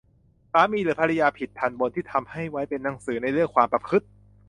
สามีหรือภริยาผิดทัณฑ์บนที่ทำให้ไว้เป็นหนังสือในเรื่องความประพฤติ